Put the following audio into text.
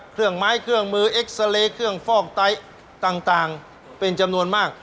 เครื่องไม้เครื่องมือเอ็กซาเรย์เครื่องฟอกไตต่างเป็นจำนวนมาก